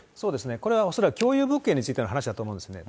これは恐らく共有物件についての話だと思うんですね。